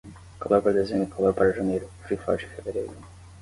Calor para dezembro, calor para janeiro, frio forte em fevereiro.